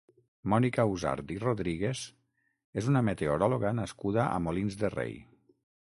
Mònica Usart i Rodríguez és una meteoròloga nascuda a Molins de Rei.